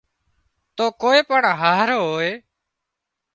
تو ڪوئي پڻ هاهرو هوئي